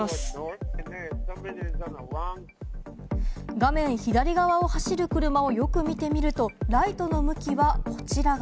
画面左側を走る車をよく見てみると、ライトの向きはこちら側。